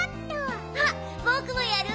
あっぼくもやる！